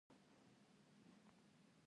ایا یو څوک باید یوازې کاریدونکي شیان واخلي